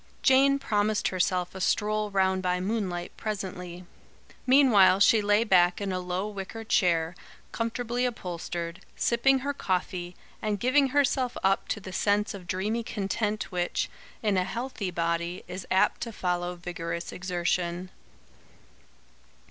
Jane promised herself a stroll round by moonlight presently. Meanwhile she lay back in a low wicker chair, comfortably upholstered, sipping her coffee, and giving herself up to the sense of dreamy content which, in a healthy body, is apt to follow vigorous exertion.